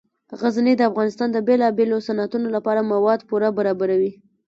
غزني د افغانستان د بیلابیلو صنعتونو لپاره مواد پوره برابروي.